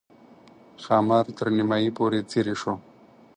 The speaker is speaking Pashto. ښامار تر نیمایي پورې څېرې شو.